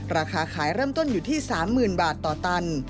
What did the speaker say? ราคาขายเริ่มต้นอยู่ที่๓๐๐๐บาทต่อตัน